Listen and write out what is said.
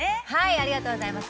◆ありがとうございます。